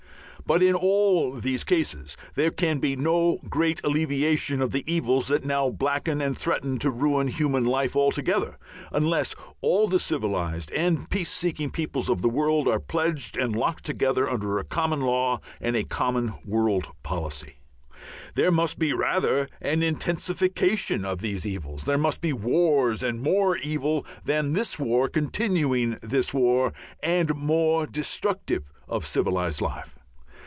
But in all these cases there can be no great alleviation of the evils that now blacken and threaten to ruin human life altogether, unless all the civilized and peace seeking peoples of the world are pledged and locked together under a common law and a common world policy. There must rather be an intensification of these evils. There must be wars more evil than this war continuing this war, and more destructive of civilized life.